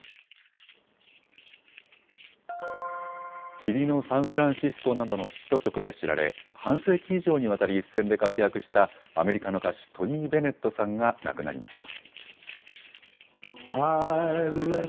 霧のサンフランシスコなどのヒット曲で知られ、半世紀以上にわたり一線で活躍したアメリカの歌手、トニー・ベネットさんが亡くなりました。